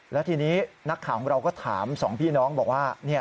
แล้วทีนี้นักข่าวของเราก็ถามสองพี่น้องบอกว่า